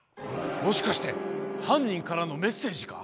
もしかしてはんにんからのメッセージか？